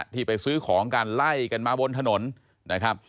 ที่ไปซื้อของกันไล่กันมาบนถนนนะครับ